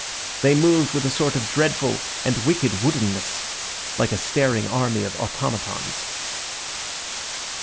They moved with a sort of dreadful and wicked woodenness, like a staring army of automatons.